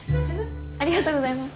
ありがとうございます。